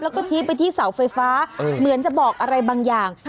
แล้วก็ชี้ไปที่เสาไฟฟ้าเหมือนจะบอกอะไรบางอย่าง